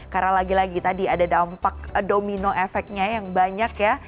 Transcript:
karena lagi lagi tadi ada dampak domino efeknya yang banyak ya